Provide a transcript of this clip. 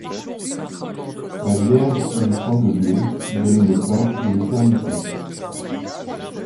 La Vierge est le champ de blé qui donne le pain de l'éternité.